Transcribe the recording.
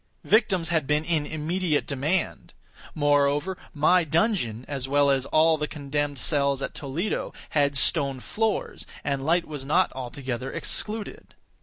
Victims had been in immediate demand. Moreover, my dungeon, as well as all the condemned cells at Toledo, had stone floors, and light was not altogether excluded.